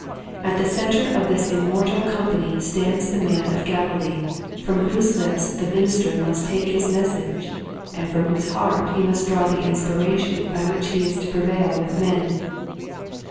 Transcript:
At the center of this immortal company stands the man of Galilee from whose lips the minister must take his message and from whose heart he must draw the inspiration by which he is to prevail with men.